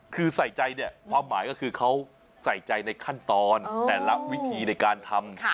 คือใส่ใจเนี่ยความหมายก็คือเขาใส่ใจในขั้นตอนแต่ละวิธีในการทำ